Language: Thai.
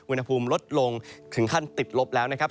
อุณหภูมิลดลงถึงขั้นติดลบแล้วนะครับ